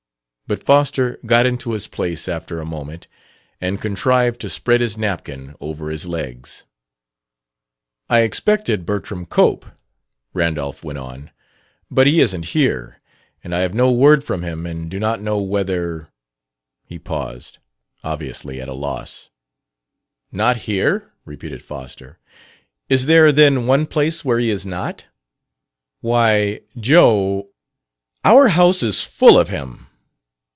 But Foster got into his place after a moment and contrived to spread his napkin over his legs. "I expected Bertram Cope," Randolph went on; "but he isn't here, and I have no word from him and do not know whether " He paused, obviously at a loss. "Not here?" repeated Foster. "Is there, then, one place where he is not?" "Why, Joe !" "Our house is full of him!"